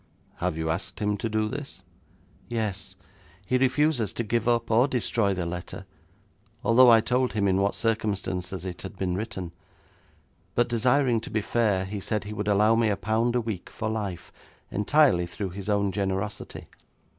'Have you asked him to do this?' 'Yes. He refuses to give up or destroy the letter, although I told him in what circumstances it had been written. But, desiring to be fair, he said he would allow me a pound a week for life, entirely through his own generosity.'